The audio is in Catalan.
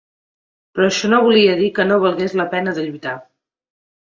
Però això no volia dir que no valgués la pena de lluitar